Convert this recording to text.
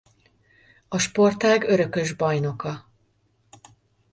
A sportág örökös bajnoka.